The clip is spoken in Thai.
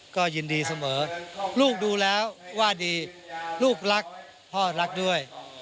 ก็ยินดีเสมอลูกดูแล้วว่าดีลูกรักพ่อรักด้วย